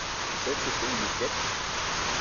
Tu sais ce que c'est une disquette?